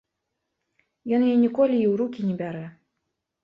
Ён яе ніколі і ў рукі не бярэ.